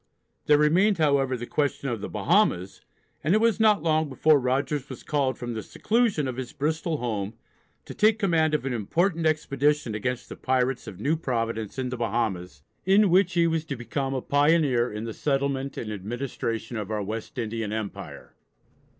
There remained, however, the question of the Bahamas, and it was not long before Rogers was called from the seclusion of his Bristol home to take command of an important expedition against the pirates of New Providence in the Bahamas, in which he was to become a pioneer in the settlement and administration of our West Indian Empire.